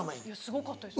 すごかったです。